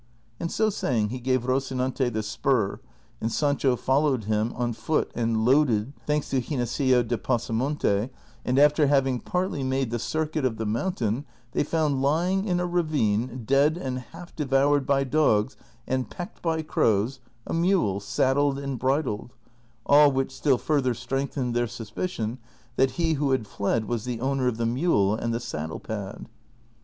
And so saying he gave Rocinante the spur, and Sancho followed him on foot and loaded, thanks to Ginesillo de Pasa monte, and after having partly made the circuit of the moun tain they found lying in a ravine, dead and half devoured by dogs and pecked by crows, a mule saddled and bridled, all which still further strengthened their sus})icion that he who had fled was the owner of the nude and the saddle pad.